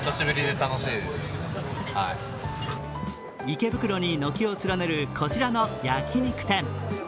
池袋に軒を連ねるこちらの焼き肉店。